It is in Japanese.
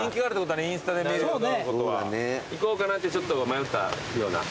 行こうかなってちょっと迷ったような？